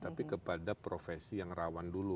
tapi kepada profesi yang rawan dulu